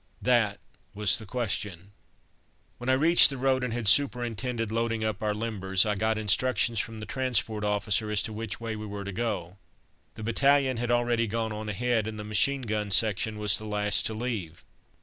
that was the question. When I reached the road, and had superintended loading up our limbers, I got instructions from the transport officer as to which way we were to go. The battalion had already gone on ahead, and the machine gun section was the last to leave.